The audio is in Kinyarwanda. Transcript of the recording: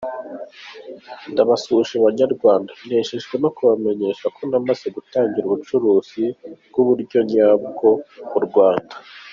Ndabasubuje banyarwanda. Nejejwe no kubamenyesha ko namaze gutangira ubucuruzi bw’ubuyonyabwa mu Rwanda.”